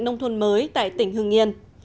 nông thôn mới tại tỉnh hương nghiên